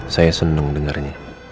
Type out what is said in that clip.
saya senang dengarnya